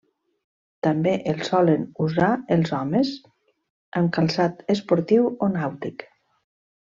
També el solen usar els homes amb calçat esportiu o nàutic.